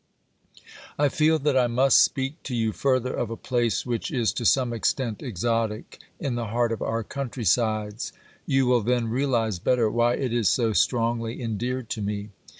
I feel that I must speak to you further of a place which is to some extent exotic in the heart of our countrysides. You will then realise better why it is so strongly endeared to me.